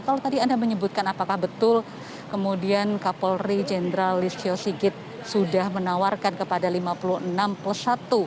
kalau tadi anda menyebutkan apakah betul kemudian kapolri jenderal listio sigit sudah menawarkan kepada lima puluh enam plus satu